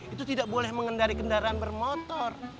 itu tidak boleh mengendari kendaraan bermotor